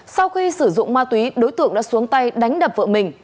sau khi sử dụng ma túy đối tượng đã xuống tay đánh đập vợ mình